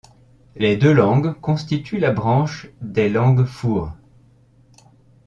Les deux langues constituent la branche des langues four.